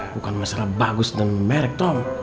bukan masalah bagus dan bermerek tom